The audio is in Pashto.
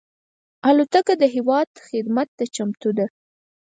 الوتکه د هېواد خدمت ته چمتو ده.